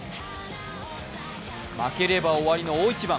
負ければ終わりの大一番。